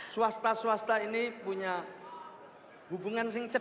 swasta swasta ini punya hubungan dengan jawa timur